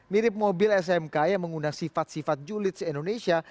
mirip mobil smk yang mengundang sifat sifat julid se indonesia